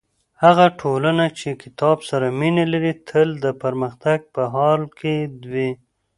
هغه ټولنه چې کتاب سره مینه لري تل د پرمختګ په حال کې وي.